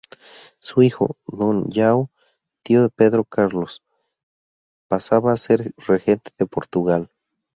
Su hijo, don Joao, tío de Pedro Carlos, pasaba a ser regente de Portugal.